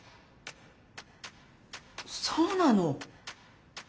そうなの。